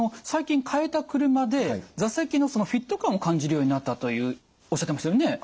最近替えた車で座席のフィット感を感じるようになったとおっしゃってましたよね。